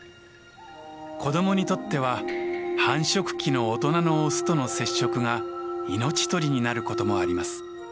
子どもにとっては繁殖期の大人のオスとの接触が命取りになることもあります。